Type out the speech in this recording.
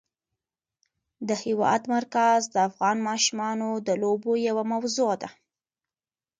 د هېواد مرکز د افغان ماشومانو د لوبو یوه موضوع ده.